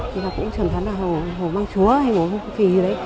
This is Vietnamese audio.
thì họ cũng trầm trầm là hổ mang chúa hay hổ phì đấy